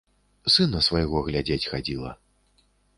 Сына свайго глядзець хадзіла.